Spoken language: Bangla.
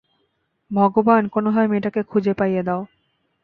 ভগবান, কোনোভাবে মেয়েটাকে খুঁজে পাইয়ে দাও।